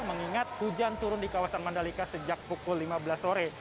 mengingat hujan turun di kawasan mandalika sejak pukul lima belas sore